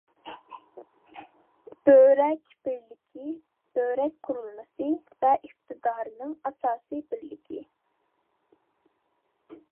بۆرەك بىرلىكى بۆرەك قۇرۇلمىسى ۋە ئىقتىدارىنىڭ ئاساسىي بىرلىكى.